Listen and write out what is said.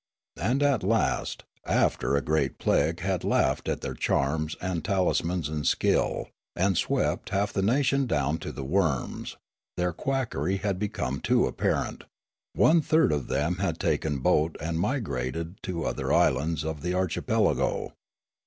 And at last, after a great plague had laughed at their charms and talismans and skill, and swept half the nation down to the worms, their quackery had become too apparent. One third of them had taken boat and migrated to other islands of the archipelago.